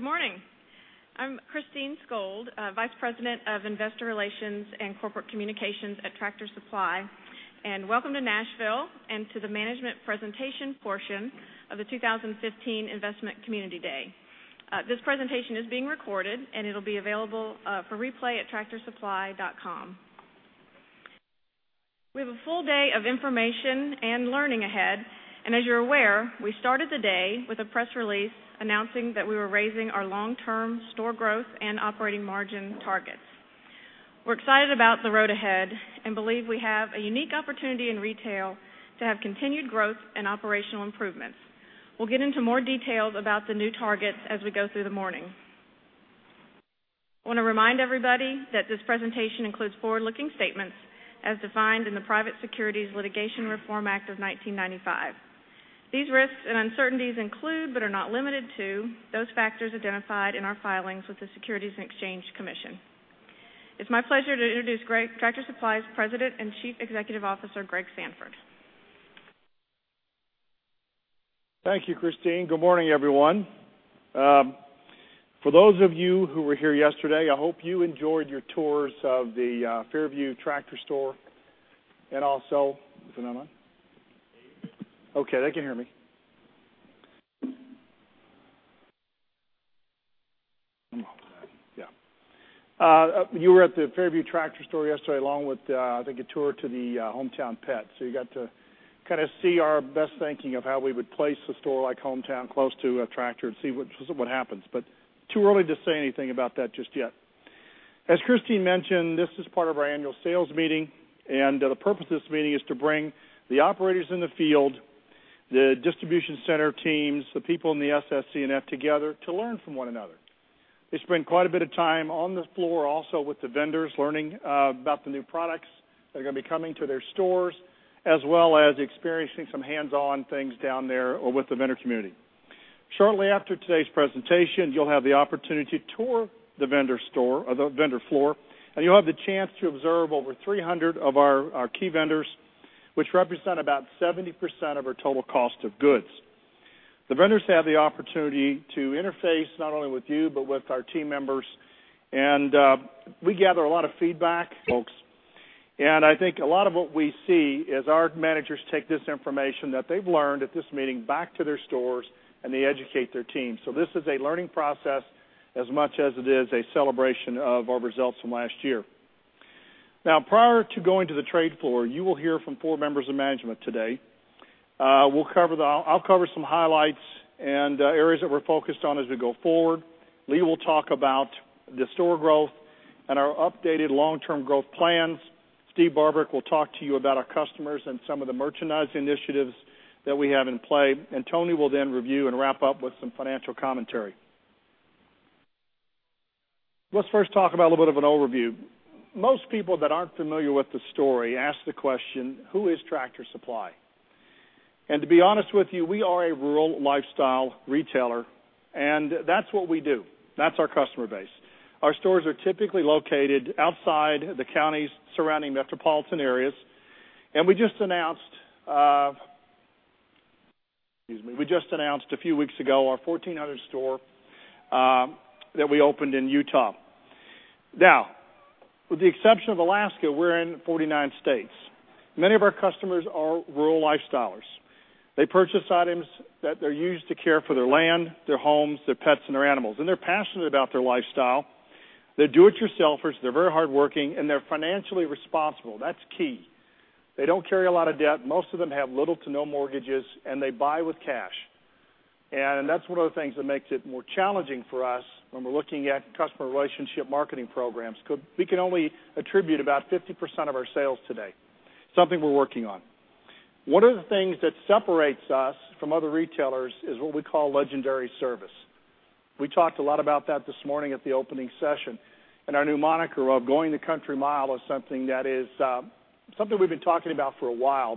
Good morning. I'm Christine Skold, Vice President of Investor Relations and Corporate Communications at Tractor Supply. Welcome to Nashville and to the management presentation portion of the 2015 Investment Community Day. This presentation is being recorded, it'll be available for replay at tractorsupply.com. We have a full day of information and learning ahead, as you're aware, we started the day with a press release announcing that we were raising our long-term store growth and operating margin targets. We're excited about the road ahead believe we have a unique opportunity in retail to have continued growth and operational improvements. We'll get into more details about the new targets as we go through the morning. I want to remind everybody that this presentation includes forward-looking statements as defined in the Private Securities Litigation Reform Act of 1995. These risks and uncertainties include, are not limited to, those factors identified in our filings with the Securities and Exchange Commission. It's my pleasure to introduce Tractor Supply's President and Chief Executive Officer, Greg Sandfort. Thank you, Christine. Good morning, everyone. For those of you who were here yesterday, I hope you enjoyed your tours of the Fairview Tractor Store also. Is it on? You're good. They can hear me. I'm all set. You were at the Fairview Tractor Store yesterday, along with, I think, a tour to the HomeTown Pet. You got to kind of see our best thinking of how we would place a store like HomeTown close to a Tractor and see what happens. Too early to say anything about that just yet. As Christine mentioned, this is part of our annual sales meeting, the purpose of this meeting is to bring the operators in the field, the distribution center teams, the people in the SSC and F together to learn from one another. They spend quite a bit of time on the floor, also with the vendors, learning about the new products that are going to be coming to their stores, as well as experiencing some hands-on things down there with the vendor community. Shortly after today's presentation, you'll have the opportunity to tour the vendor floor, you'll have the chance to observe over 300 of our key vendors, which represent about 70% of our total cost of goods. The vendors have the opportunity to interface not only with you but with our team members. We gather a lot of feedback, folks, I think a lot of what we see is our managers take this information that they've learned at this meeting back to their stores, they educate their teams. This is a learning process as much as it is a celebration of our results from last year. Prior to going to the trade floor, you will hear from four members of management today. I'll cover some highlights and areas that we're focused on as we go forward. Lee will talk about the store growth and our updated long-term growth plans. Steve Barbarick will talk to you about our customers and some of the merchandise initiatives that we have in play. Tony will review and wrap up with some financial commentary. First talk about a little bit of an overview. Most people that aren't familiar with the story ask the question, who is Tractor Supply? To be honest with you, we are a rural lifestyle retailer, and that's what we do. That's our customer base. Our stores are typically located outside the counties surrounding metropolitan areas. We just announced a few weeks ago our 1,400th store that we opened in Utah. With the exception of Alaska, we're in 49 states. Many of our customers are rural lifestylers. They purchase items that they use to care for their land, their homes, their pets, and their animals, and they're passionate about their lifestyle. They're do-it-yourselfers. They're very hardworking, and they're financially responsible. That's key. They don't carry a lot of debt. Most of them have little to no mortgages, and they buy with cash. That's one of the things that makes it more challenging for us when we're looking at customer relationship marketing programs. We can only attribute about 50% of our sales today, something we're working on. One of the things that separates us from other retailers is what we call legendary service. We talked a lot about that this morning at the opening session and our new moniker of going the country mile is something we've been talking about for a while.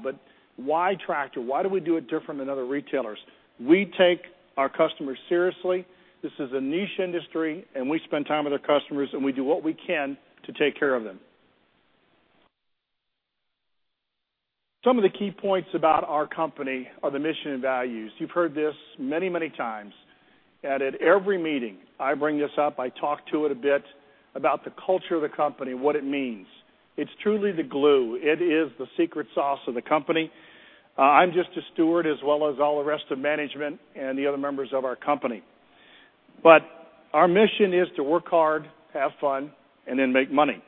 Why Tractor? Why do we do it different than other retailers? We take our customers seriously. This is a niche industry. We spend time with our customers, and we do what we can to take care of them. Some of the key points about our company are the mission and values. You've heard this many, many times. At every meeting, I bring this up. I talk to it a bit about the culture of the company and what it means. It's truly the glue. It is the secret sauce of the company. I'm just a steward as well as all the rest of management and the other members of our company. Our mission is to work hard, have fun, and then make money.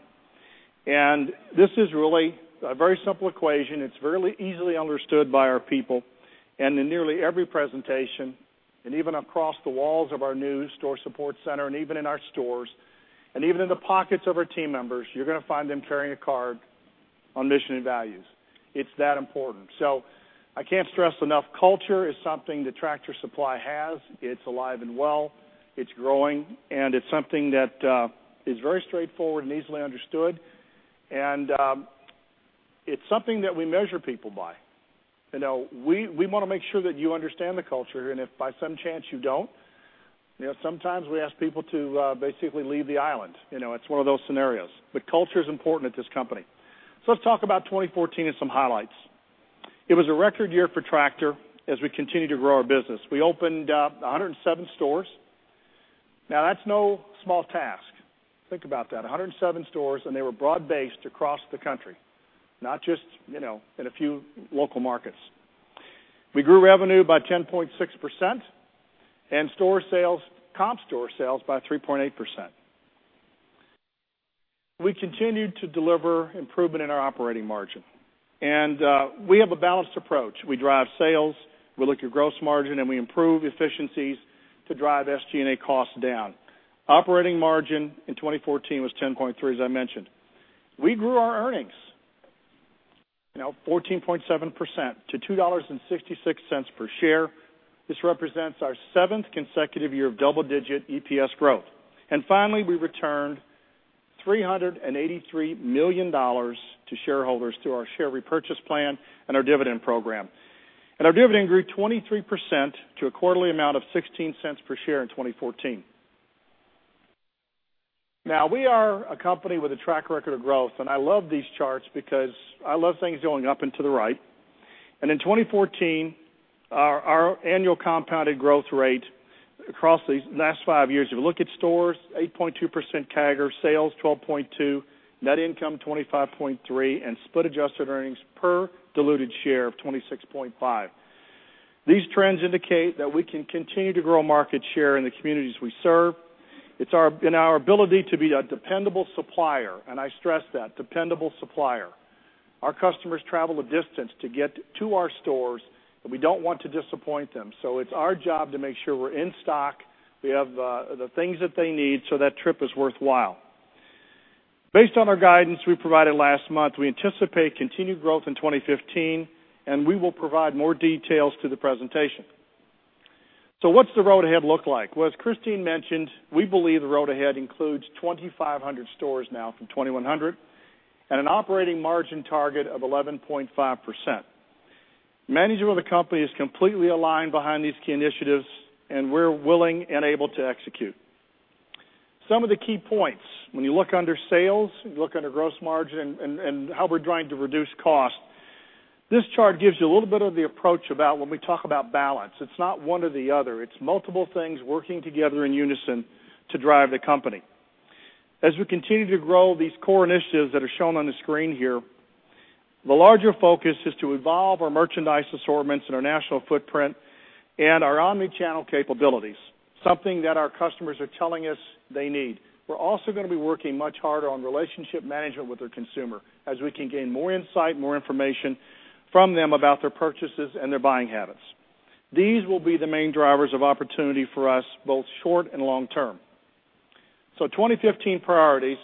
This is really a very simple equation. It's very easily understood by our people in nearly every presentation, even across the walls of our new store support center, even in our stores, even in the pockets of our team members, you're going to find them carrying a card on mission and values. It's that important. I can't stress enough, culture is something that Tractor Supply has. It's alive and well, it's growing, and it's something that is very straightforward and easily understood. It's something that we measure people by. We want to make sure that you understand the culture, and if by some chance you don't, sometimes we ask people to basically leave the island. It's one of those scenarios. Culture is important at this company. Let's talk about 2014 and some highlights. It was a record year for Tractor as we continued to grow our business. We opened 107 stores. That's no small task. Think about that, 107 stores, and they were broad-based across the country, not just in a few local markets. We grew revenue by 10.6% and comp store sales by 3.8%. We continued to deliver improvement in our operating margin, and we have a balanced approach. We drive sales, we look at gross margin, and we improve efficiencies to drive SG&A costs down. Operating margin in 2014 was 10.3%, as I mentioned. We grew our earnings 14.7% to $2.66 per share. This represents our seventh consecutive year of double-digit EPS growth. Finally, we returned $383 million to shareholders through our share repurchase plan and our dividend program. Our dividend grew 23% to a quarterly amount of $0.16 per share in 2014. We are a company with a track record of growth, and I love these charts because I love things going up and to the right. In 2014, our annual compounded growth rate across these last five years, if you look at stores, 8.2% CAGR, sales 12.2%, net income 25.3%, and split adjusted earnings per diluted share of 26.5%. These trends indicate that we can continue to grow market share in the communities we serve. It's in our ability to be a dependable supplier, and I stress that, dependable supplier. Our customers travel a distance to get to our stores, and we don't want to disappoint them. It's our job to make sure we're in stock, we have the things that they need so that trip is worthwhile. Based on our guidance we provided last month, we anticipate continued growth in 2015, and we will provide more details through the presentation. What's the road ahead look like? As Christine mentioned, we believe the road ahead includes 2,500 stores now from 2,100, and an operating margin target of 11.5%. Management of the company is completely aligned behind these key initiatives, and we're willing and able to execute. Some of the key points. When you look under sales, you look under gross margin, and how we're trying to reduce cost, this chart gives you a little bit of the approach about when we talk about balance. It's not one or the other. It's multiple things working together in unison to drive the company. As we continue to grow these core initiatives that are shown on the screen here, the larger focus is to evolve our merchandise assortments and our national footprint and our omni-channel capabilities, something that our customers are telling us they need. We're also going to be working much harder on relationship management with the consumer as we can gain more insight, more information from them about their purchases and their buying habits. These will be the main drivers of opportunity for us, both short and long term. 2015 priorities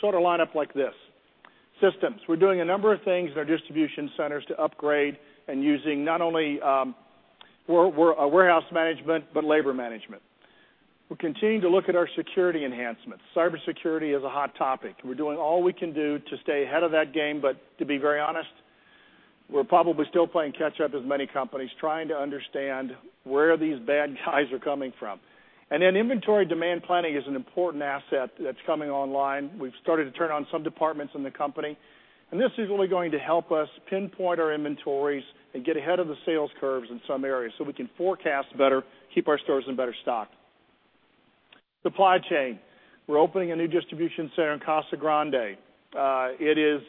sort of line up like this. Systems. We're doing a number of things in our distribution centers to upgrade and using not only warehouse management, but labor management. We're continuing to look at our security enhancements. Cybersecurity is a hot topic. We're doing all we can do to stay ahead of that game, but to be very honest, we're probably still playing catch up as many companies, trying to understand where these bad guys are coming from. Inventory demand planning is an important asset that's coming online. We've started to turn on some departments in the company. This is really going to help us pinpoint our inventories and get ahead of the sales curves in some areas so we can forecast better, keep our stores in better stock. Supply chain. We're opening a new distribution center in Casa Grande. It is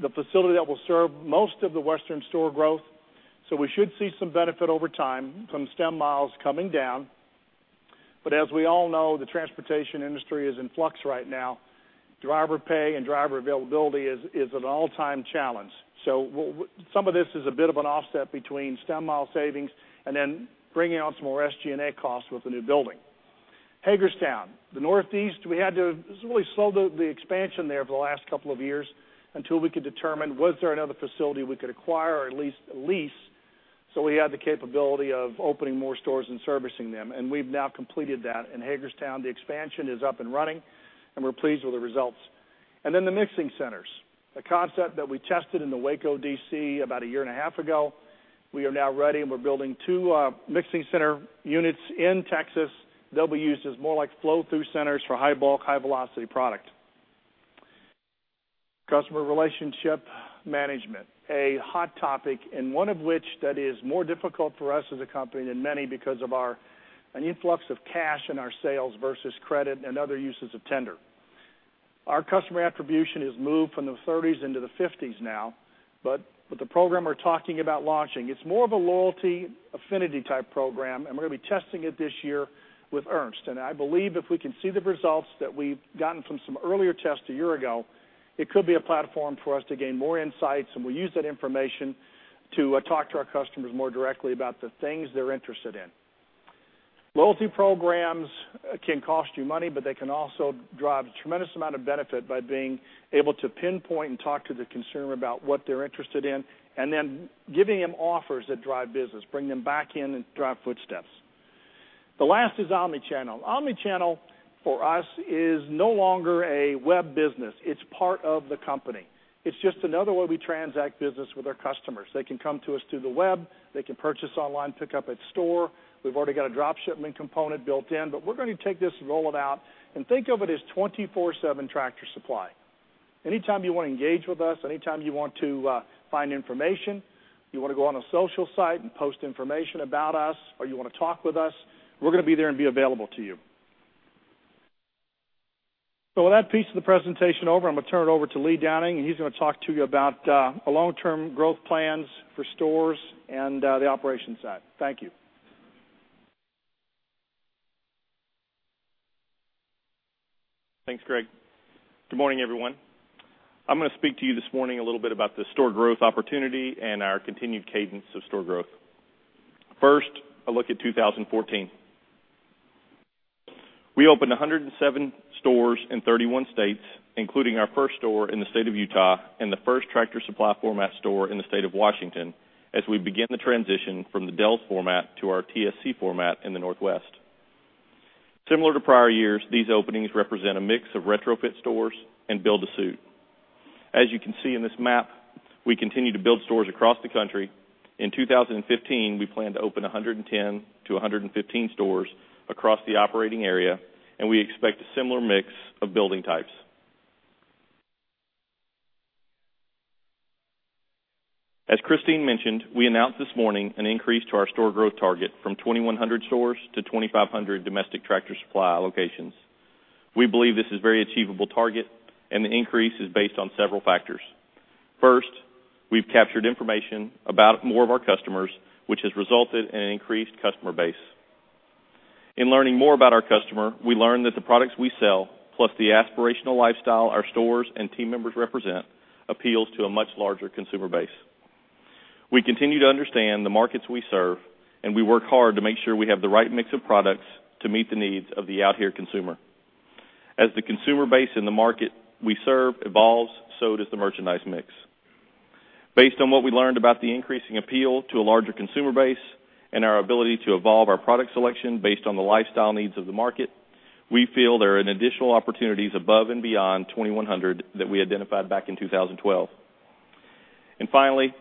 the facility that will serve most of the western store growth. We should see some benefit over time from stem miles coming down. As we all know, the transportation industry is in flux right now. Driver pay and driver availability is an all-time challenge. Some of this is a bit of an offset between stem mile savings and then bringing on some more SG&A costs with the new building. Hagerstown. The Northeast, we had to really slow the expansion there for the last couple of years until we could determine was there another facility we could acquire or at least lease. We had the capability of opening more stores and servicing them, and we've now completed that. In Hagerstown, the expansion is up and running. We're pleased with the results. The mixing centers, a concept that we tested in the Waco DC about a year and a half ago. We are now ready. We're building two mixing center units in Texas that'll be used as more like flow-through centers for high bulk, high velocity product. Customer relationship management. A hot topic. One of which that is more difficult for us as a company than many because of our influx of cash in our sales versus credit and other uses of tender. Our customer attribution has moved from the 30s into the 50s now. The program we're talking about launching, it's more of a loyalty affinity type program. We're going to be testing it this year with Ernst. I believe if we can see the results that we've gotten from some earlier tests a year ago, it could be a platform for us to gain more insights. We'll use that information to talk to our customers more directly about the things they're interested in. Loyalty programs can cost you money. They can also drive a tremendous amount of benefit by being able to pinpoint and talk to the consumer about what they're interested in and then giving them offers that drive business, bring them back in and drive footsteps. The last is omni-channel. Omni-channel for us is no longer a web business. It's part of the company. It's just another way we transact business with our customers. They can come to us through the web. They can purchase online, pick up at store. We've already got a drop shipment component built in. We're going to take this and roll it out and think of it as 24/7 Tractor Supply. Anytime you want to engage with us, anytime you want to find information, you want to go on a social site and post information about us, or you want to talk with us, we're going to be there and be available to you. With that piece of the presentation over, I'm going to turn it over to Lee Downing, and he's going to talk to you about our long-term growth plans for stores and the operations side. Thank you. Thanks, Greg. Good morning, everyone. I'm going to speak to you this morning a little bit about the store growth opportunity and our continued cadence of store growth. First, a look at 2014. We opened 107 stores in 31 states, including our first store in the state of Utah and the first Tractor Supply format store in the state of Washington, as we begin the transition from the Del's format to our TSC format in the Northwest. Similar to prior years, these openings represent a mix of retrofit stores and build to suit. As you can see in this map, we continue to build stores across the country. In 2015, we plan to open 110-115 stores across the operating area, and we expect a similar mix of building types. As Christine mentioned, we announced this morning an increase to our store growth target from 2,100 stores to 2,500 domestic Tractor Supply locations. We believe this is a very achievable target, and the increase is based on several factors. First, we've captured information about more of our customers, which has resulted in an increased customer base. In learning more about our customer, we learned that the products we sell, plus the aspirational lifestyle our stores and team members represent, appeals to a much larger consumer base. We continue to understand the markets we serve, and we work hard to make sure we have the right mix of products to meet the needs of the Out Here consumer. As the consumer base in the market we serve evolves, so does the merchandise mix. Based on what we learned about the increasing appeal to a larger consumer base and our ability to evolve our product selection based on the lifestyle needs of the market, we feel there are additional opportunities above and beyond 2,100 that we identified back in 2012. Finally,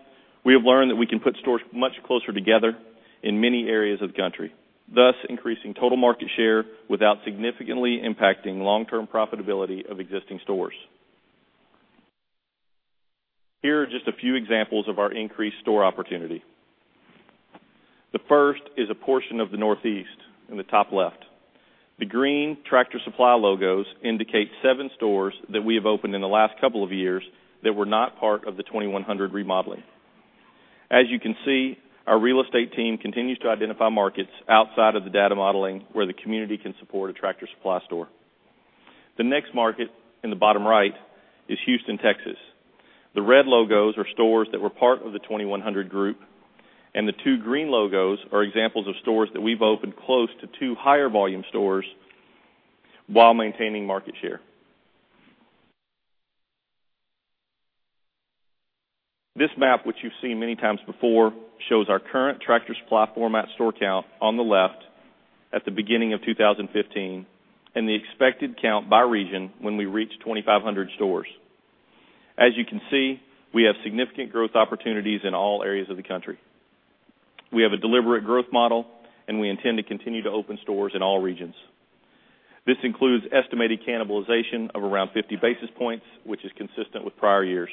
we have learned that we can put stores much closer together in many areas of the country, thus increasing total market share without significantly impacting long-term profitability of existing stores. Here are just a few examples of our increased store opportunity. The first is a portion of the Northeast in the top left. The green Tractor Supply logos indicate seven stores that we have opened in the last couple of years that were not part of the 2,100 modeling. As you can see, our real estate team continues to identify markets outside of the data modeling where the community can support a Tractor Supply store. The next market, in the bottom right, is Houston, Texas. The red logos are stores that were part of the 2,100 group, and the two green logos are examples of stores that we've opened close to two higher volume stores while maintaining market share. This map, which you've seen many times before, shows our current Tractor Supply format store count on the left at the beginning of 2015 and the expected count by region when we reach 2,500 stores. As you can see, we have significant growth opportunities in all areas of the country. We have a deliberate growth model, we intend to continue to open stores in all regions. This includes estimated cannibalization of around 50 basis points, which is consistent with prior years.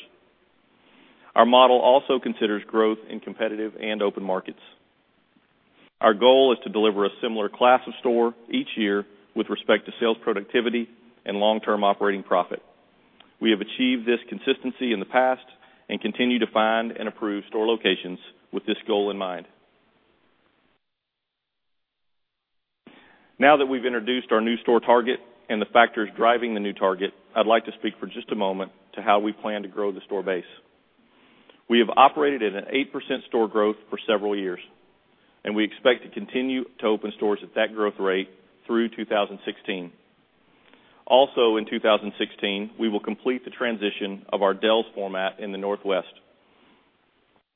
Our model also considers growth in competitive and open markets. Our goal is to deliver a similar class of store each year with respect to sales productivity and long-term operating profit. We have achieved this consistency in the past and continue to find and approve store locations with this goal in mind. Now that we've introduced our new store target and the factors driving the new target, I'd like to speak for just a moment to how we plan to grow the store base. We have operated at an 8% store growth for several years, we expect to continue to open stores at that growth rate through 2016. In 2016, we will complete the transition of our Del's format in the Northwest.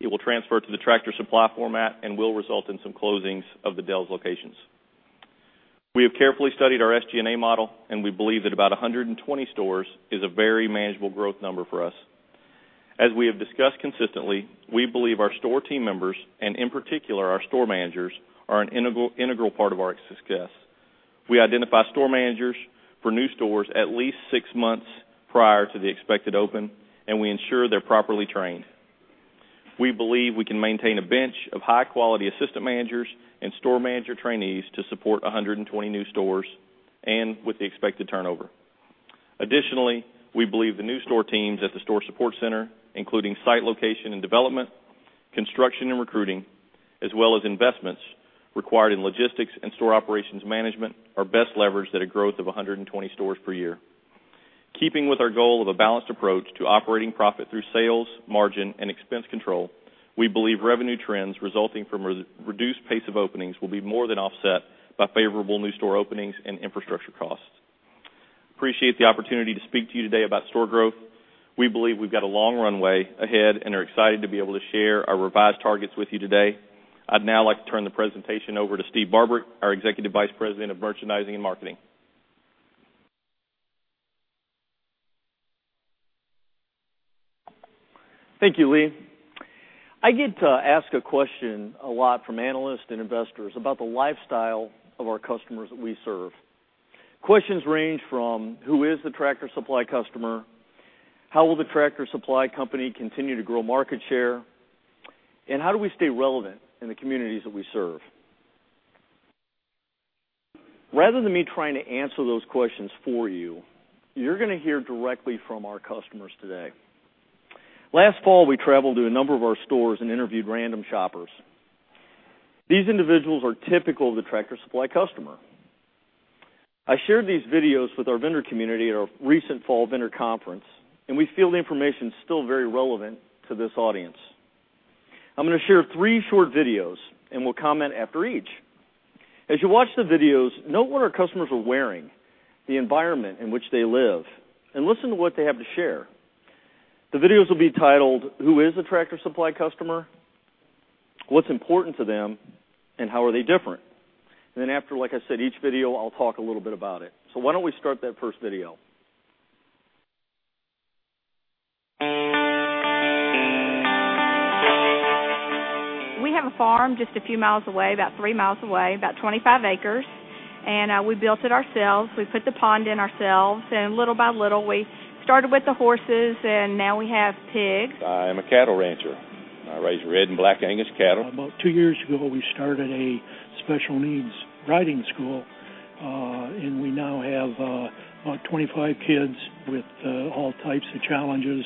It will transfer to the Tractor Supply format and will result in some closings of the Del's locations. We have carefully studied our SG&A model, we believe that about 120 stores is a very manageable growth number for us. As we have discussed consistently, we believe our store team members, and in particular our store managers, are an integral part of our success. We identify store managers for new stores at least six months prior to the expected open, we ensure they're properly trained. We believe we can maintain a bench of high-quality assistant managers and store manager trainees to support 120 new stores and with the expected turnover. Additionally, we believe the new store teams at the store support center, including site location and development, construction, and recruiting, as well as investments required in logistics and store operations management, are best leveraged at a growth of 120 stores per year. Keeping with our goal of a balanced approach to operating profit through sales, margin, and expense control, we believe revenue trends resulting from a reduced pace of openings will be more than offset by favorable new store openings and infrastructure costs. Appreciate the opportunity to speak to you today about store growth. We believe we've got a long runway ahead and are excited to be able to share our revised targets with you today. I'd now like to turn the presentation over to Steve Barbarick, our Executive Vice President of Merchandising and Marketing. Thank you, Lee. I get to ask a question a lot from analysts and investors about the lifestyle of our customers that we serve. Questions range from who is the Tractor Supply customer? How will the Tractor Supply Company continue to grow market share? How do we stay relevant in the communities that we serve? Rather than me trying to answer those questions for you're going to hear directly from our customers today. Last fall, we traveled to a number of our stores and interviewed random shoppers. These individuals are typical of the Tractor Supply customer. I shared these videos with our vendor community at our recent fall vendor conference, we feel the information is still very relevant to this audience. I'm going to share three short videos and will comment after each. As you watch the videos, note what our customers are wearing, the environment in which they live, listen to what they have to share. The videos will be titled, "Who is a Tractor Supply Customer?" "What's Important to Them?" "How Are They Different?" Then after, like I said, each video, I'll talk a little bit about it. Why don't we start that first video. We have a farm just a few miles away, about three miles away, about 25 acres. We built it ourselves. We put the pond in ourselves, little by little, we started with the horses, now we have pigs. I am a cattle rancher. I raise red and black Angus cattle. About two years ago, we started a special needs riding school, and we now have about 25 kids with all types of challenges.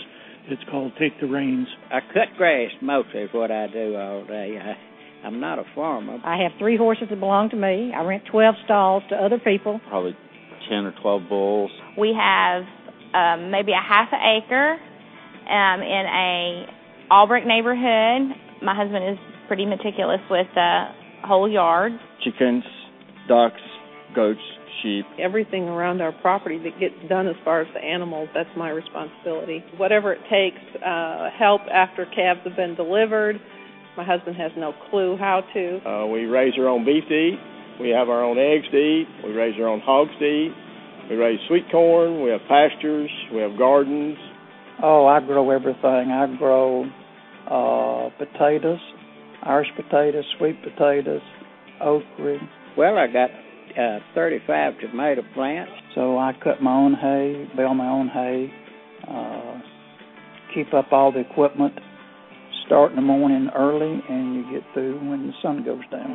It's called Take the Reins. I cut grass mostly is what I do all day. I'm not a farmer. I have three horses that belong to me. I rent 12 stalls to other people. Probably 10 or 12 bulls. We have maybe a half an acre in an Albrecht neighborhood. My husband is pretty meticulous with the whole yard. Chickens, ducks, goats, sheep. Everything around our property that gets done as far as the animals, that's my responsibility. Whatever it takes, help after calves have been delivered. My husband has no clue how to. We raise our own beef to eat. We have our own eggs to eat. We raise our own hogs to eat. We raise sweet corn. We have pastures. We have gardens. Oh, I grow everything. I grow potatoes, Irish potatoes, sweet potatoes, okra. Well, I got 35 tomato plants. I cut my own hay, bale my own hay, keep up all the equipment. Start in the morning early, and you get through when the sun goes down.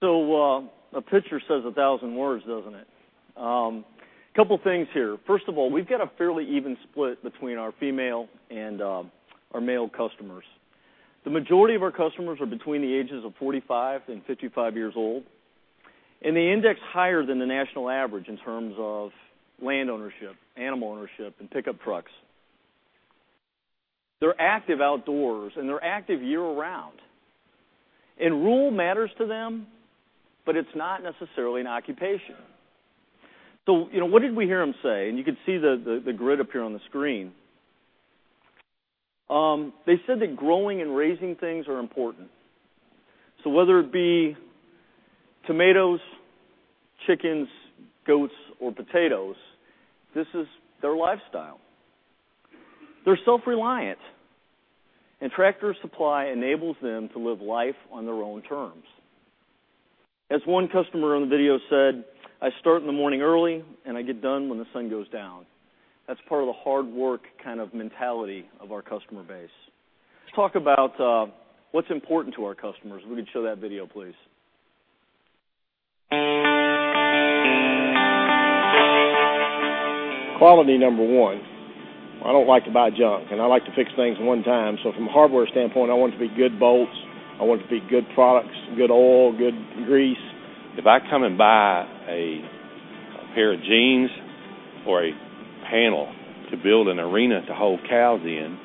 A picture says a thousand words, doesn't it? Couple things here. First of all, we've got a fairly even split between our female and our male customers. The majority of our customers are between the ages of 45 and 55 years old, and they index higher than the national average in terms of land ownership, animal ownership, and pickup trucks. They're active outdoors, and they're active year-round, and rural matters to them, but it's not necessarily an occupation. What did we hear them say? You can see the grid up here on the screen. They said that growing and raising things are important. Whether it be tomatoes, chickens, goats, or potatoes, this is their lifestyle. They're self-reliant, and Tractor Supply enables them to live life on their own terms. As one customer on the video said, "I start in the morning early, and I get done when the sun goes down." That's part of the hard work mentality of our customer base. Let's talk about what's important to our customers. If we could show that video, please. Quality, number one. I don't like to buy junk, and I like to fix things one time. From a hardware standpoint, I want it to be good bolts. I want it to be good products, good oil, good grease. If I come and buy a pair of jeans or a panel to build an arena to hold cows in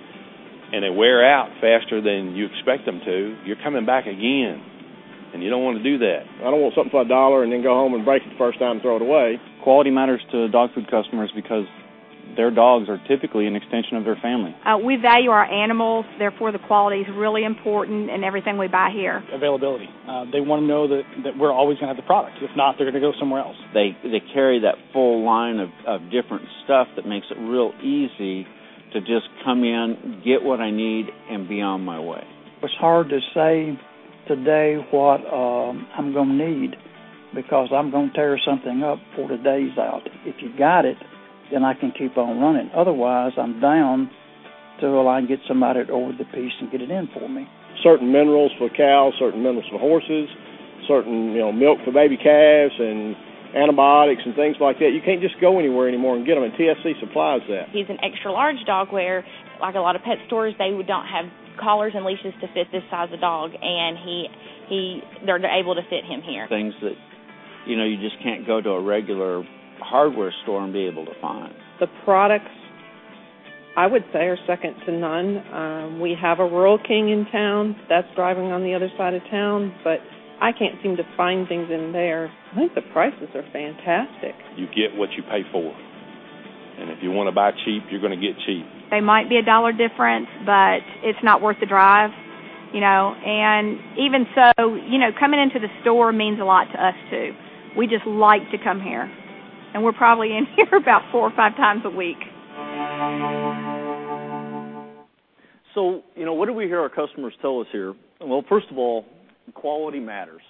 and they wear out faster than you expect them to, you're coming back again. You don't want to do that. I don't want something for a dollar and then go home and break it the first time and throw it away. Quality matters to dog food customers because their dogs are typically an extension of their family. We value our animals, therefore, the quality is really important in everything we buy here. Availability. They want to know that we're always going to have the product. If not, they're going to go somewhere else. They carry that full line of different stuff that makes it real easy to just come in, get what I need, and be on my way. It's hard to say today what I'm going to need because I'm going to tear something up before the day's out. If you got it, then I can keep on running. Otherwise, I'm down till I can get somebody to order the piece and get it in for me. Certain minerals for cows, certain minerals for horses, certain milk for baby calves and antibiotics and things like that. You can't just go anywhere anymore and get them. TSC supplies that. He's an extra large dog where, like a lot of pet stores, they don't have collars and leashes to fit this size of dog. They're able to fit him here. Things that you just can't go to a regular hardware store and be able to find. The products, I would say, are second to none. We have a Rural King in town that's thriving on the other side of town, but I can't seem to find things in there. I think the prices are fantastic. You get what you pay for. If you want to buy cheap, you're going to get. They might be $1 different, but it's not worth the drive. Even so, coming into the store means a lot to us, too. We just like to come here, and we're probably in here about four or five times a week. What do we hear our customers tell us here? Well, first of all, quality matters.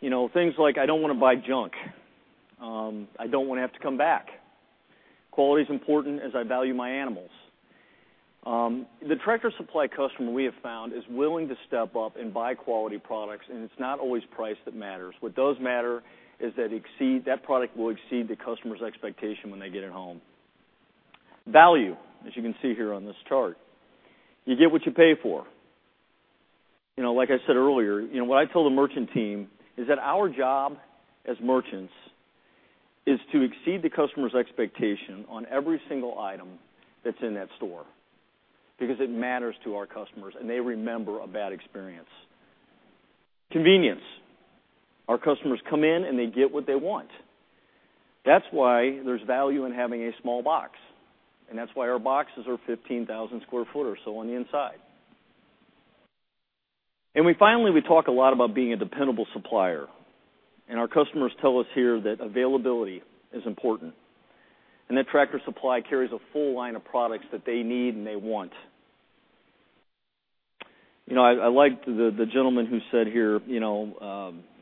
Things like, "I don't want to buy junk. I don't want to have to come back. Quality's important, as I value my animals." The Tractor Supply customer, we have found, is willing to step up and buy quality products, and it's not always price that matters. What does matter is that product will exceed the customer's expectation when they get it home. Value, as you can see here on this chart. You get what you pay for. Like I said earlier, what I tell the merchant team is that our job as merchants is to exceed the customer's expectation on every single item that's in that store because it matters to our customers, and they remember a bad experience. Convenience. Our customers come in and they get what they want. That's why there's value in having a small box, and that's why our boxes are 15,000 sq ft or so on the inside. We finally talk a lot about being a dependable supplier. Our customers tell us here that availability is important and that Tractor Supply carries a full line of products that they need and they want. I liked the gentleman who said here,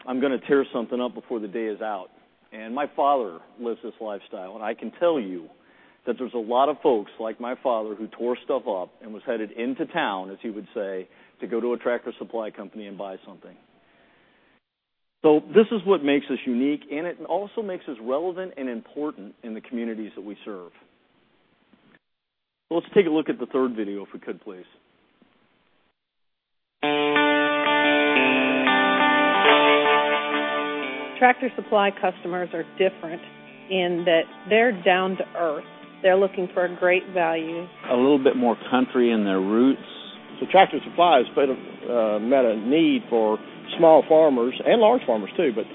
"I'm going to tear something up before the day is out." My father lives this lifestyle, and I can tell you that there's a lot of folks like my father who tore stuff up and was headed into town, as he would say, to go to a Tractor Supply Company and buy something. This is what makes us unique, and it also makes us relevant and important in the communities that we serve. Let's take a look at the third video if we could, please. Tractor Supply customers are different in that they're down to earth. They're looking for a great value. A little bit more country in their roots. Tractor Supply has met a need for small farmers and large farmers too, but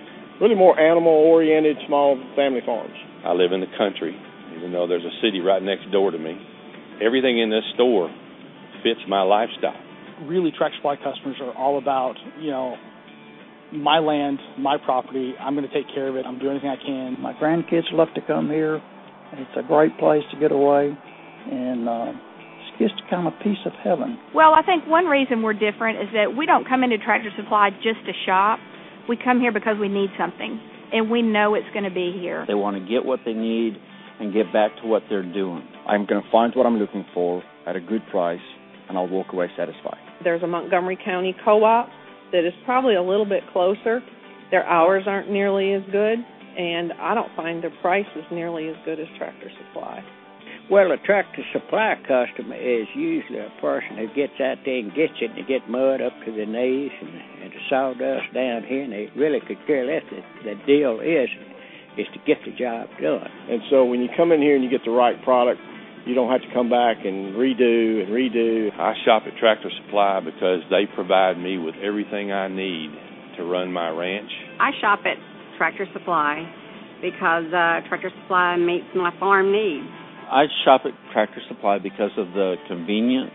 really more animal-oriented, small family farms. I live in the country, even though there's a city right next door to me. Everything in this store fits my lifestyle. Really, Tractor Supply customers are all about my land, my property. I'm going to take care of it. I'm going to do anything I can. My grandkids love to come here. It's a great place to get away, and it's just kind of a piece of heaven. Well, I think one reason we're different is that we don't come into Tractor Supply just to shop. We come here because we need something, and we know it's going to be here. They want to get what they need and get back to what they're doing. I'm going to find what I'm looking for at a good price, and I'll walk away satisfied. There's a Montgomery County co-op that is probably a little bit closer. Their hours aren't nearly as good, and I don't find their prices nearly as good as Tractor Supply. Well, a Tractor Supply customer is usually a person who gets out there and gets it. They get mud up to their knees and the sawdust down here, and they really could care less. The deal is to get the job done. When you come in here and you get the right product, you don't have to come back and redo and redo. I shop at Tractor Supply because they provide me with everything I need to run my ranch. I shop at Tractor Supply because Tractor Supply meets my farm needs. I shop at Tractor Supply because of the convenience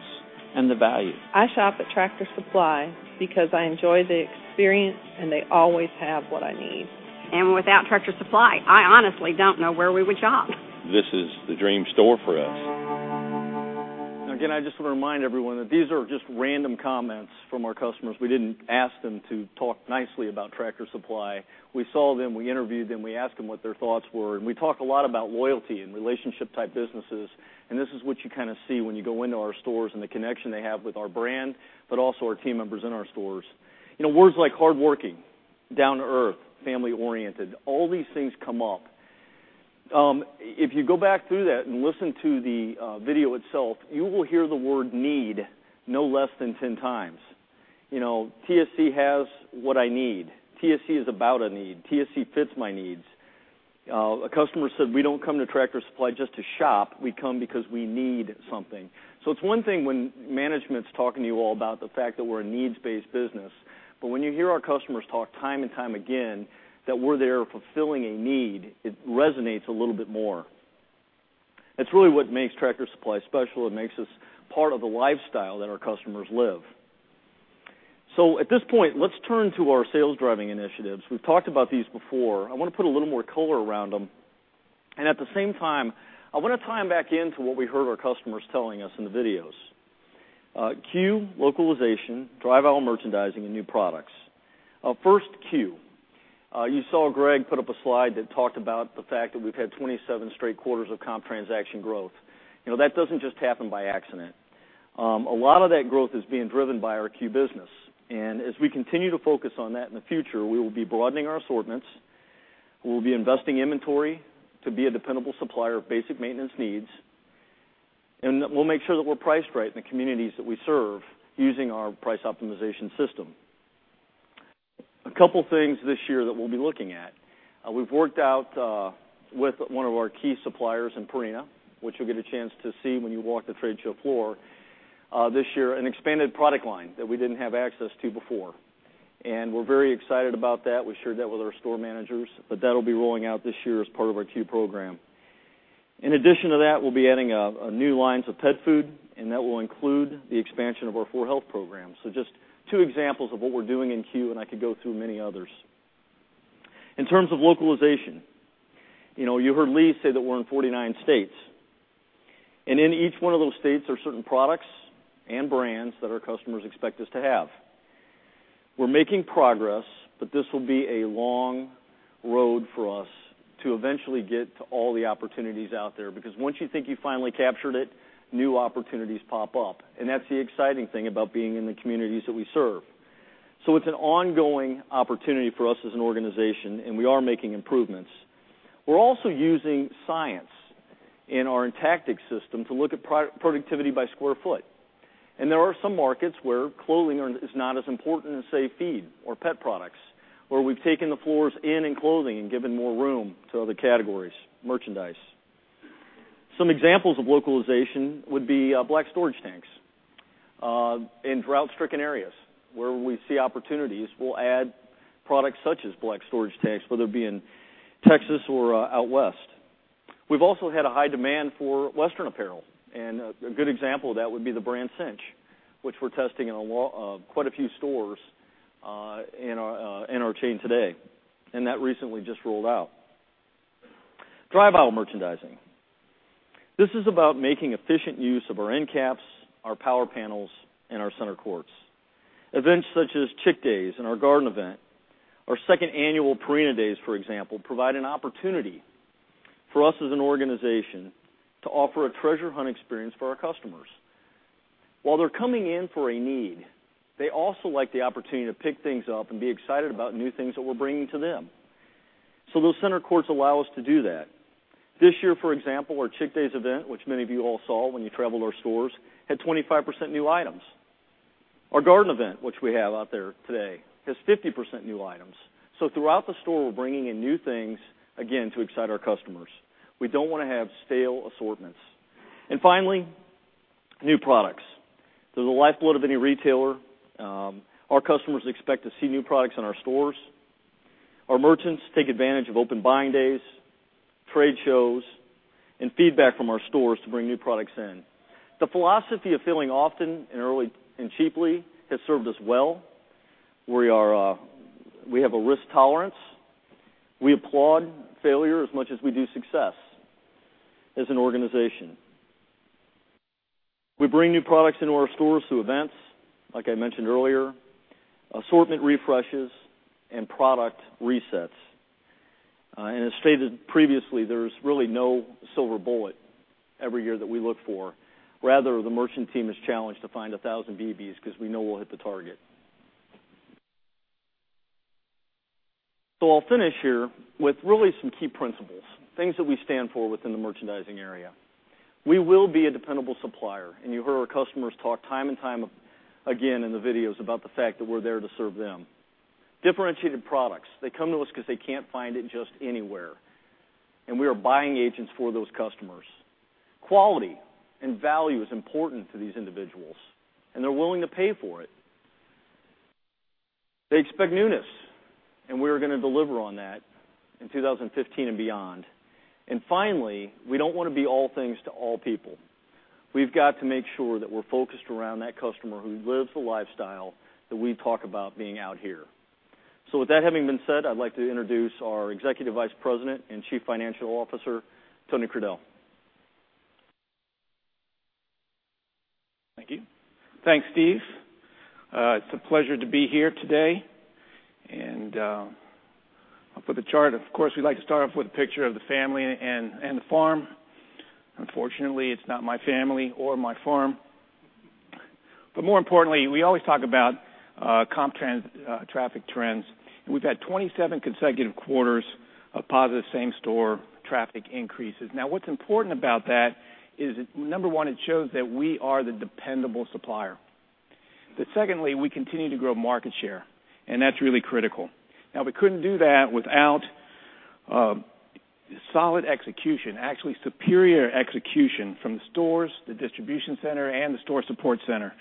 and the value. I shop at Tractor Supply because I enjoy the experience and they always have what I need. Without Tractor Supply, I honestly don't know where we would shop. This is the dream store for us. I just want to remind everyone that these are just random comments from our customers. We didn't ask them to talk nicely about Tractor Supply. We saw them, we interviewed them, we asked them what their thoughts were. We talk a lot about loyalty and relationship-type businesses, and this is what you kind of see when you go into our stores and the connection they have with our brand, but also our team members in our stores. Words like hardworking, down to earth, family-oriented, all these things come up. If you go back through that and listen to the video itself, you will hear the word need no less than 10 times. TSC has what I need. TSC is about a need. TSC fits my needs. A customer said, "We don't come to Tractor Supply just to shop. We come because we need something." It's one thing when management's talking to you all about the fact that we're a needs-based business, but when you hear our customers talk time and time again that we're there fulfilling a need, it resonates a little bit more. That's really what makes Tractor Supply special. It makes us part of the lifestyle that our customers live. At this point, let's turn to our sales-driving initiatives. We've talked about these before. I want to put a little more color around them, and at the same time, I want to tie them back in to what we heard our customers telling us in the videos. Q, localization, drive aisle merchandising, and new products. First, Q. You saw Greg put up a slide that talked about the fact that we've had 27 straight quarters of comp transaction growth. That doesn't just happen by accident. A lot of that growth is being driven by our Q business, as we continue to focus on that in the future, we will be broadening our assortments. We will be investing inventory to be a dependable supplier of basic maintenance needs. We'll make sure that we're priced right in the communities that we serve using our price optimization system. A couple things this year that we'll be looking at. We've worked out with one of our key suppliers in Purina, which you'll get a chance to see when you walk the trade show floor this year, an expanded product line that we didn't have access to before. We're very excited about that. We shared that with our store managers, but that'll be rolling out this year as part of our Q program. In addition to that, we'll be adding new lines of pet food, that will include the expansion of our 4health program. Just two examples of what we're doing in Q, I could go through many others. In terms of localization, you heard Lee say that we're in 49 states, in each one of those states, there are certain products and brands that our customers expect us to have. We're making progress, this will be a long road for us to eventually get to all the opportunities out there, because once you think you finally captured it, new opportunities pop up. That's the exciting thing about being in the communities that we serve. It's an ongoing opportunity for us as an organization, we are making improvements. We're also using science in our Intactix system to look at productivity by square foot. There are some markets where clothing is not as important as, say, feed or pet products, where we've taken the floors in clothing and given more room to other categories, merchandise. Some examples of localization would be black storage tanks in drought-stricken areas. Where we see opportunities, we'll add products such as black storage tanks, whether it be in Texas or out West. We've also had a high demand for Western apparel, and a good example of that would be the brand Cinch, which we're testing in quite a few stores in our chain today. That recently just rolled out. Drive aisle merchandising. This is about making efficient use of our end caps, our power panels, and our center courts. Events such as Chick Days and our Garden Event, our second annual Purina Days, for example, provide an opportunity for us as an organization to offer a treasure hunt experience for our customers. While they're coming in for a need, they also like the opportunity to pick things up and be excited about new things that we're bringing to them. Those center courts allow us to do that. This year, for example, our Chick Days event, which many of you all saw when you traveled our stores, had 25% new items. Our Garden Event, which we have out there today, has 50% new items. Throughout the store, we're bringing in new things, again, to excite our customers. We don't want to have stale assortments. Finally, new products. They're the lifeblood of any retailer. Our customers expect to see new products in our stores. Our merchants take advantage of open buying days, trade shows, and feedback from our stores to bring new products in. The philosophy of filling often and early and cheaply has served us well. We have a risk tolerance. We applaud failure as much as we do success as an organization. We bring new products into our stores through events, like I mentioned earlier, assortment refreshes, and product resets. As stated previously, there's really no silver bullet every year that we look for. Rather, the merchant team is challenged to find 1,000 BBs because we know we'll hit the target. I'll finish here with really some key principles, things that we stand for within the merchandising area. We will be a dependable supplier, and you heard our customers talk time and time again in the videos about the fact that we're there to serve them. Differentiated products. They come to us because they can't find it just anywhere, and we are buying agents for those customers. Quality and value is important to these individuals, and they're willing to pay for it. They expect newness, and we are going to deliver on that in 2015 and beyond. Finally, we don't want to be all things to all people. We've got to make sure that we're focused around that customer who lives the lifestyle that we talk about being out here. With that having been said, I'd like to introduce our Executive Vice President and Chief Financial Officer, Tony Crudele. Thank you. Thanks, Steve. It's a pleasure to be here today. Up with the chart, of course, we'd like to start off with a picture of the family and the farm. Unfortunately, it's not my family or my farm. More importantly, we always talk about comp traffic trends. We've had 27 consecutive quarters of positive same-store traffic increases. What's important about that is, number 1, it shows that we are the dependable supplier. Secondly, we continue to grow market share, and that's really critical. We couldn't do that without solid execution, actually superior execution from the stores, the distribution center, and the store support center.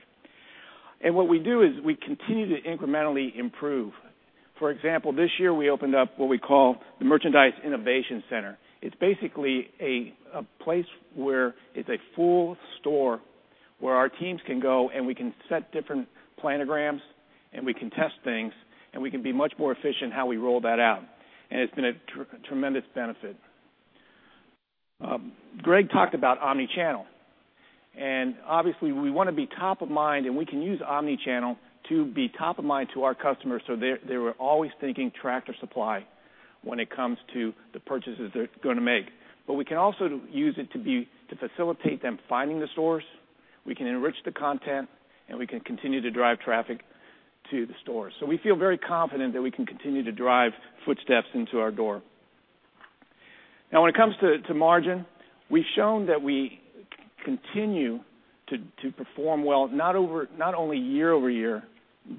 What we do is we continue to incrementally improve. For example, this year, we opened up what we call the Merchandise Innovation Center. It's basically a place where it's a full store where our teams can go and we can set different planograms and we can test things and we can be much more efficient how we roll that out. It's been a tremendous benefit. Greg talked about omni-channel, and obviously, we want to be top of mind, and we can use omni-channel to be top of mind to our customers so they were always thinking Tractor Supply when it comes to the purchases they're going to make. We can also use it to facilitate them finding the stores. We can enrich the content, and we can continue to drive traffic to the stores. We feel very confident that we can continue to drive footsteps into our door. When it comes to margin, we've shown that we continue to perform well, not only year-over-year,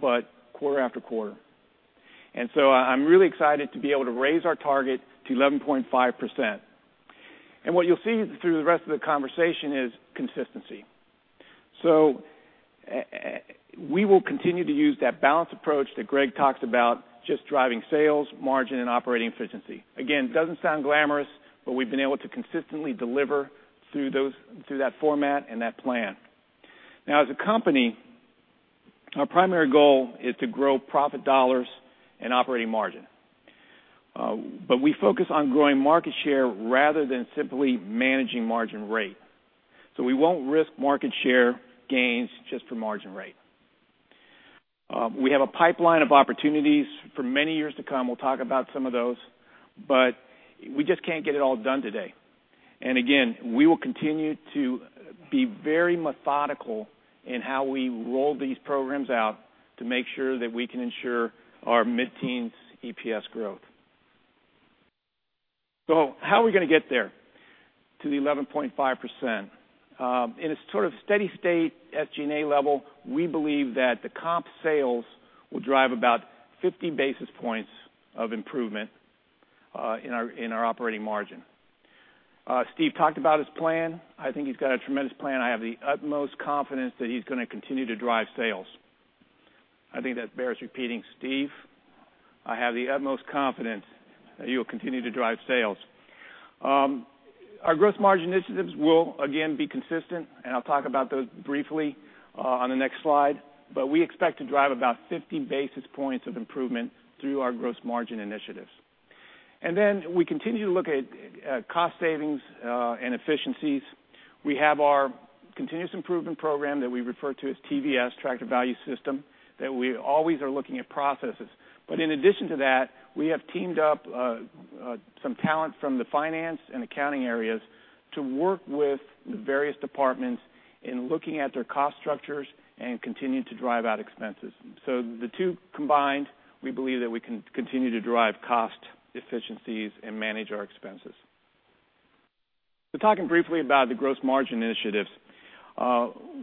but quarter after quarter. I'm really excited to be able to raise our target to 11.5%. What you'll see through the rest of the conversation is consistency. We will continue to use that balanced approach that Greg talks about, just driving sales, margin, and operating efficiency. Again, doesn't sound glamorous, but we've been able to consistently deliver through that format and that plan. As a company, our primary goal is to grow profit dollars and operating margin. We focus on growing market share rather than simply managing margin rate. We won't risk market share gains just for margin rate. We have a pipeline of opportunities for many years to come. We'll talk about some of those. We just can't get it all done today. Again, we will continue to be very methodical in how we roll these programs out to make sure that we can ensure our mid-teens EPS growth. How are we going to get there, to the 11.5%? In a sort of steady state SG&A level, we believe that the comp sales will drive about 50 basis points of improvement in our operating margin. Steve talked about his plan. I think he's got a tremendous plan. I have the utmost confidence that he's going to continue to drive sales. I think that bears repeating. Steve, I have the utmost confidence that you will continue to drive sales. Our gross margin initiatives will again be consistent, and I'll talk about those briefly on the next slide. We expect to drive about 50 basis points of improvement through our gross margin initiatives. We continue to look at cost savings and efficiencies. We have our continuous improvement program that we refer to as TVS, Tractor Value System, that we always are looking at processes. In addition to that, we have teamed up some talent from the finance and accounting areas to work with the various departments in looking at their cost structures and continuing to drive out expenses. The two combined, we believe that we can continue to drive cost efficiencies and manage our expenses. Talking briefly about the gross margin initiatives.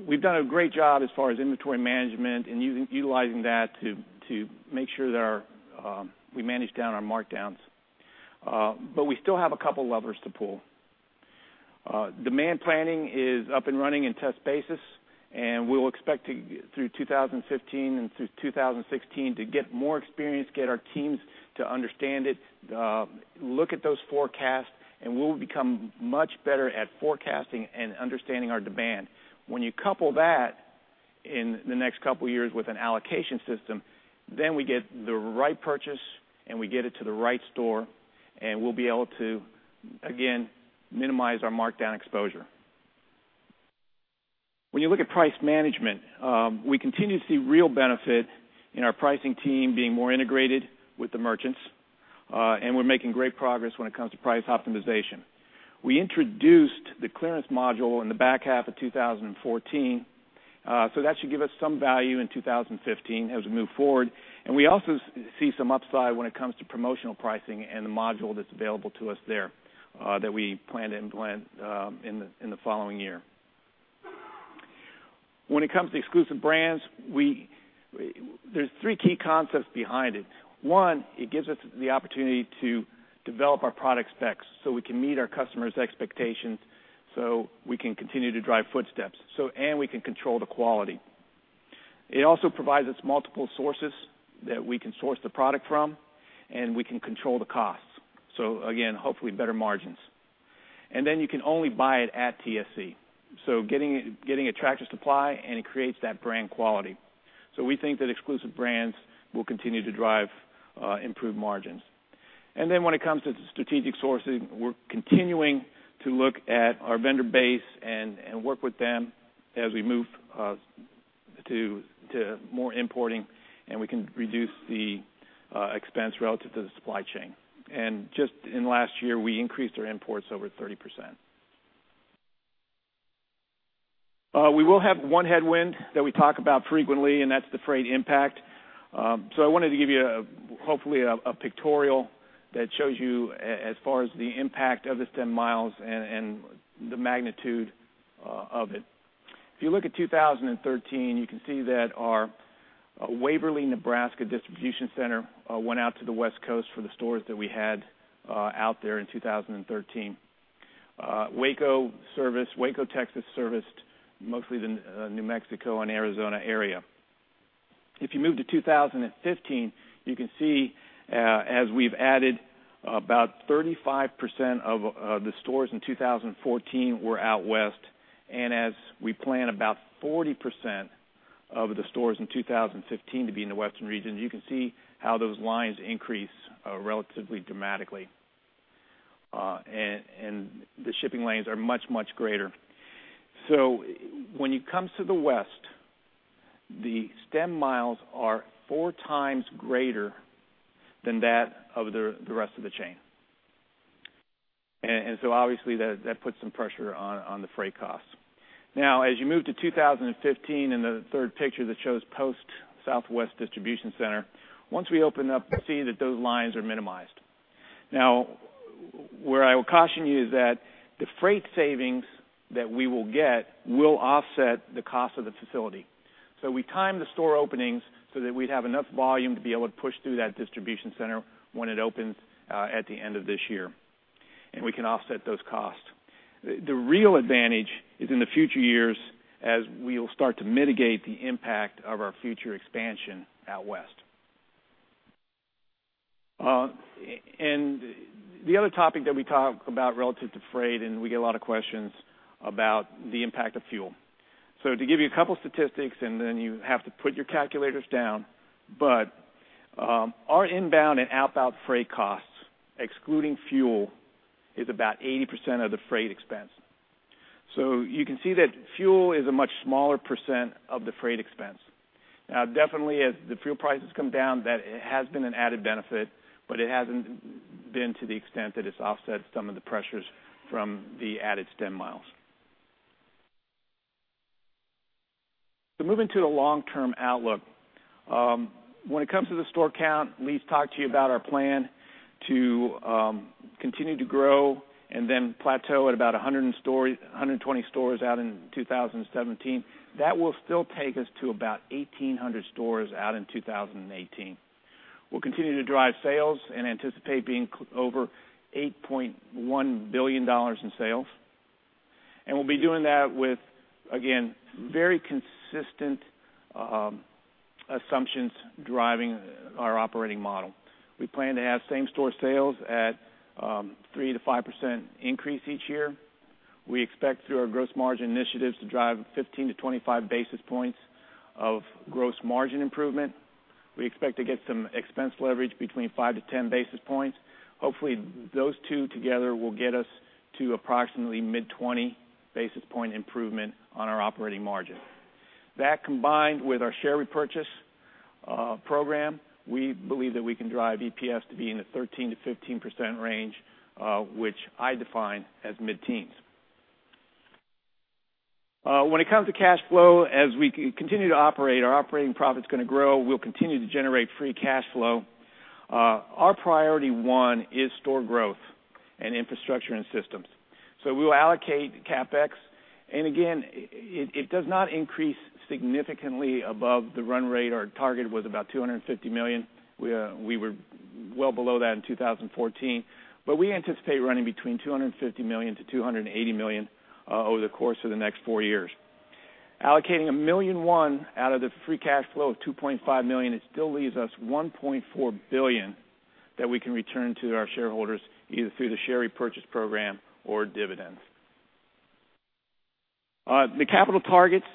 We've done a great job as far as inventory management and utilizing that to make sure that we manage down our markdowns. We still have a couple levers to pull. Demand planning is up and running in test basis. We'll expect through 2015 and through 2016 to get more experience, get our teams to understand it, look at those forecasts, and we will become much better at forecasting and understanding our demand. When you couple that in the next couple of years with an allocation system, we get the right purchase, and we get it to the right store, and we'll be able to, again, minimize our markdown exposure. When you look at price management, we continue to see real benefit in our pricing team being more integrated with the merchants, and we're making great progress when it comes to price optimization. We introduced the clearance module in the back half of 2014. That should give us some value in 2015 as we move forward. We also see some upside when it comes to promotional pricing and the module that's available to us there that we plan to implement in the following year. When it comes to exclusive brands, there's three key concepts behind it. One, it gives us the opportunity to develop our product specs so we can meet our customers' expectations, so we can continue to drive footsteps. We can control the quality. It also provides us multiple sources that we can source the product from, and we can control the costs. Again, hopefully better margins. You can only buy it at TSC. Getting a Tractor Supply, and it creates that brand quality. We think that exclusive brands will continue to drive improved margins. When it comes to strategic sourcing, we're continuing to look at our vendor base and work with them as we move to more importing, and we can reduce the expense relative to the supply chain. Just in the last year, we increased our imports over 30%. We will have one headwind that we talk about frequently. That's the freight impact. I wanted to give you, hopefully, a pictorial that shows you as far as the impact of the stem miles and the magnitude of it. If you look at 2013, you can see that our Waverly, Nebraska distribution center went out to the West Coast for the stores that we had out there in 2013. Waco, Texas serviced mostly the New Mexico and Arizona area. As you move to 2015, you can see as we've added about 35% of the stores in 2014 were out West. As we plan about 40% of the stores in 2015 to be in the Western region, you can see how those lines increase relatively dramatically. The shipping lanes are much, much greater. When it comes to the West, the stem miles are four times greater than that of the rest of the chain. Obviously, that puts some pressure on the freight costs. As you move to 2015 and the third picture that shows post-Southwest distribution center, once we open up, you see that those lines are minimized. Where I will caution you is that the freight savings that we will get will offset the cost of the facility. We timed the store openings so that we'd have enough volume to be able to push through that distribution center when it opens at the end of this year, and we can offset those costs. The real advantage is in the future years, as we'll start to mitigate the impact of our future expansion out West. The other topic that we talk about relative to freight, and we get a lot of questions about the impact of fuel. To give you a couple statistics, and then you have to put your calculators down, but our inbound and outbound freight costs, excluding fuel, is about 80% of the freight expense. You can see that fuel is a much smaller percent of the freight expense. Definitely, as the fuel prices come down, that has been an added benefit, but it hasn't been to the extent that it's offset some of the pressures from the added stem miles. Moving to the long-term outlook. When it comes to the store count, Lee's talked to you about our plan to continue to grow and then plateau at about 120 stores out in 2017. That will still take us to about 1,800 stores out in 2018. We'll continue to drive sales and anticipate being over $8.1 billion in sales. We'll be doing that with, again, very consistent assumptions driving our operating model. We plan to have same-store sales at 3%-5% increase each year. We expect through our gross margin initiatives to drive 15-25 basis points of gross margin improvement. We expect to get some expense leverage between 5-10 basis points. Hopefully, those two together will get us to approximately mid-20 basis point improvement on our operating margin. That, combined with our share repurchase program, we believe that we can drive EPS to be in the 13%-15% range, which I define as mid-teens. When it comes to cash flow, as we continue to operate, our operating profit's going to grow. We'll continue to generate free cash flow. Our priority one is store growth and infrastructure and systems. We will allocate CapEx, and again, it does not increase significantly above the run rate. Our target was about $250 million. We were well below that in 2014. We anticipate running between $250 million-$280 million over the course of the next four years. Allocating $1.1 billion out of the free cash flow of $2.5 billion, it still leaves us $1.4 billion that we can return to our shareholders, either through the share repurchase program or dividends. The capital targets,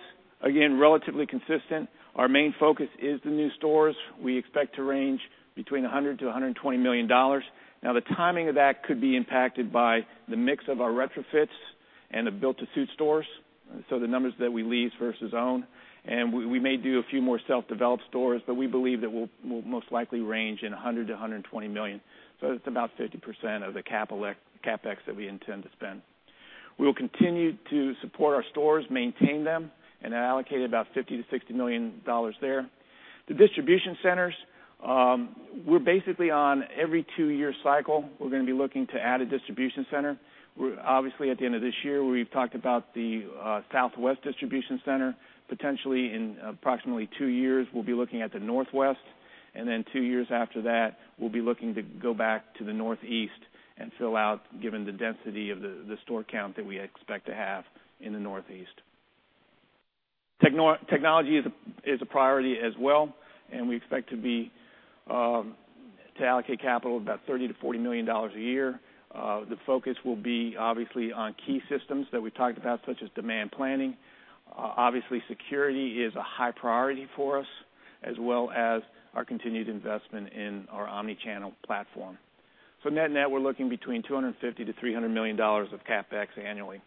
again, relatively consistent. Our main focus is the new stores. We expect to range between $100 million-$120 million. The timing of that could be impacted by the mix of our retrofits and the built-to-suit stores, so the numbers that we lease versus own. We may do a few more self-developed stores, but we believe that we will most likely range in $100 million-$120 million. That is about 50% of the CapEx that we intend to spend. We will continue to support our stores, maintain them, and allocate about $50 million-$60 million there. The distribution centers, we are basically on every 2-year cycle, we are going to be looking to add a distribution center. Obviously, at the end of this year, we have talked about the Southwest distribution center. Potentially, in approximately 2 years, we will be looking at the Northwest. Two years after that, we will be looking to go back to the Northeast and fill out, given the density of the store count that we expect to have in the Northeast. Technology is a priority as well, and we expect to allocate capital of about $30 million-$40 million a year. The focus will be obviously on key systems that we talked about, such as demand planning. Obviously, security is a high priority for us, as well as our continued investment in our omni-channel platform. Net-net, we are looking between $250 million-$300 million of CapEx annually.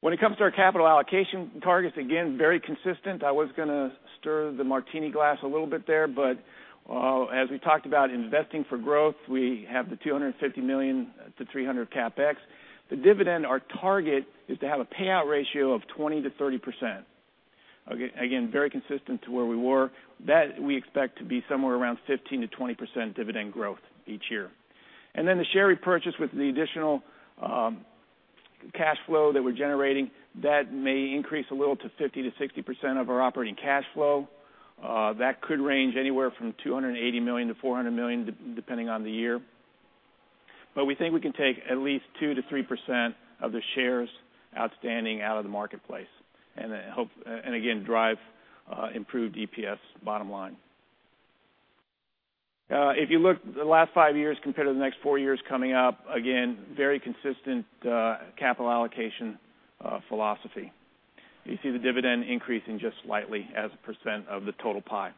When it comes to our capital allocation targets, again, very consistent. I was going to stir the martini glass a little bit there, but as we talked about investing for growth, we have the $250 million-$300 million CapEx. The dividend, our target is to have a payout ratio of 20%-30%. Again, very consistent to where we were. That, we expect to be somewhere around 15%-20% dividend growth each year. The share repurchase with the additional cash flow that we are generating, that may increase a little to 50%-60% of our operating cash flow. That could range anywhere from $280 million-$400 million, depending on the year. We think we can take at least 2%-3% of the shares outstanding out of the marketplace and again, drive improved EPS bottom line. If you look at the last five years compared to the next four years coming up, again, very consistent capital allocation philosophy. You see the dividend increasing just slightly as a percent of the total pie.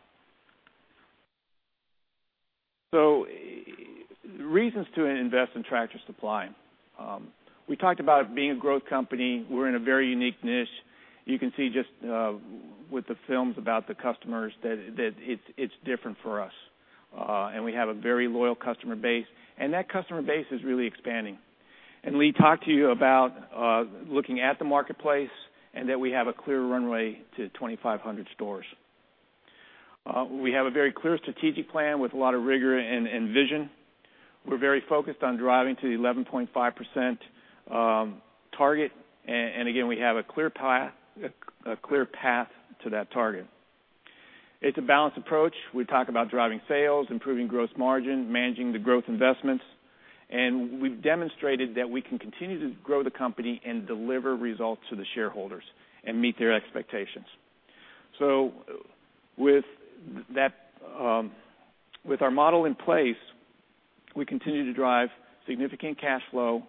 Reasons to invest in Tractor Supply. We talked about being a growth company. We are in a very unique niche. You can see just with the films about the customers that it is different for us. We have a very loyal customer base, and that customer base is really expanding. Lee talked to you about looking at the marketplace and that we have a clear runway to 2,500 stores. We have a very clear strategic plan with a lot of rigor and vision. We are very focused on driving to the 11.5% target. Again, we have a clear path to that target. It is a balanced approach. We talk about driving sales, improving gross margin, managing the growth investments, and we've demonstrated that we can continue to grow the company and deliver results to the shareholders and meet their expectations. With our model in place, we continue to drive significant cash flow.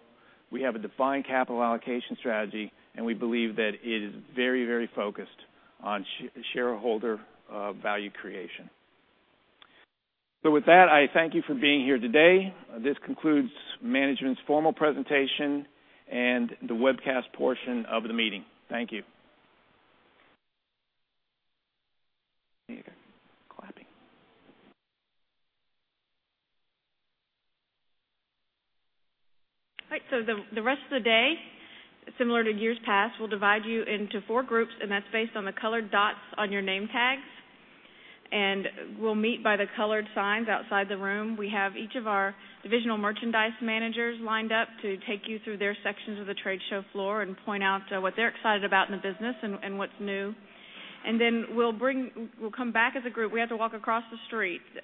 We have a defined capital allocation strategy, and we believe that it is very focused on shareholder value creation. With that, I thank you for being here today. This concludes management's formal presentation and the webcast portion of the meeting. Thank you. All right. The rest of the day, similar to years past, we'll divide you into four groups, and that's based on the colored dots on your name tags. We'll meet by the colored signs outside the room. We have each of our divisional merchandise managers lined up to take you through their sections of the trade show floor and point out what they're excited about in the business and what's new. Then we'll come back as a group. We have to walk across the street